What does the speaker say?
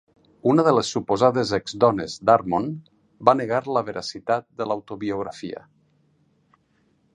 Una de les suposades exdones d'Harmon va negar la veracitat de l'autobiografia.